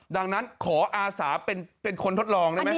ดังนั้นขออาสาเป็นคนทดลองได้ไหม